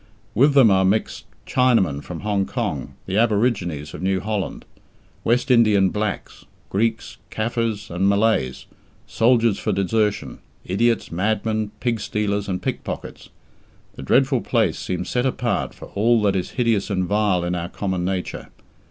With them are mixed Chinamen from Hong Kong, the Aborigines of New Holland, West Indian blacks, Greeks, Caffres, and Malays, soldiers for desertion, idiots, madmen, pig stealers, and pick pockets. The dreadful place seems set apart for all that is hideous and vile in our common nature.